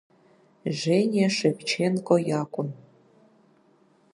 Жениа Шевченко иакәын.